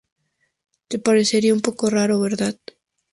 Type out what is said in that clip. Te parecería un poco raro, ¿verdad?